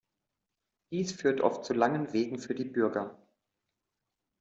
Dies führt oft zu langen Wegen für die Bürger.